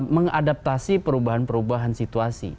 mengadaptasi perubahan perubahan situasi